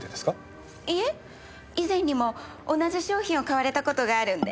いえ以前にも同じ商品を買われた事があるんで。